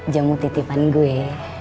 jamu titipan gue